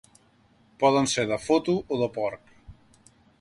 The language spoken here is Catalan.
Poden ser de foto o de porc.